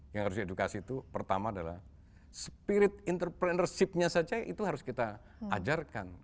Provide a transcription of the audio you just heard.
yang harus diedukasi itu pertama adalah spirit entrepreneurship nya saja itu harus kita ajarkan